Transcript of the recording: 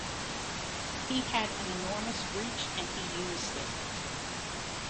He had an enormous reach, and he used it.